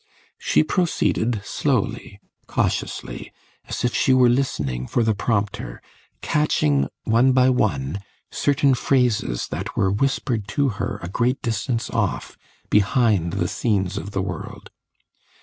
She proceeded slowly, cautiously, as if she were listening for the prompter, catching, one by one, certain phrases that were whispered to her a great distance off, behind the scenes of the world.